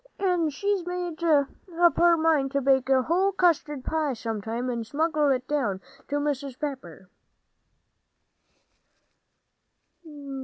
And she made up her mind to bake a whole custard pie, sometime, and smuggle it down to Mrs. Pepper.